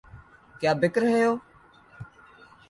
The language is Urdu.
کیا بک رہے ہو؟